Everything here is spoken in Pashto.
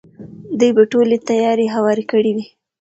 دوی به ټولې تیارې هوارې کړې وي.